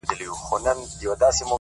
ما په خريلي مخ الله ته سجده وکړه”